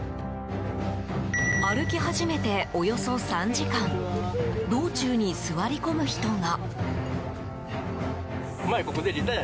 歩き始めて、およそ３時間道中に座り込む人が。